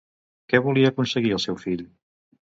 Què volia aconseguir el seu fill?